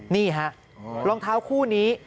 นี่ฮะรองเท้าคู่นี้